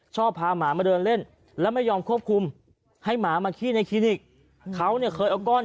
ชอบพาหมามาเดินเล่นแล้วไม่ยอมควบคุมให้หมามาขี้ในคลินิกเขาเนี่ยเคยเอาก้อน